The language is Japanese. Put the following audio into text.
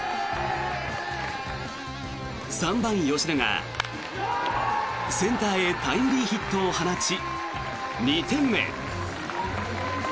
３番、吉田がセンターへタイムリーヒットを放ち２点目。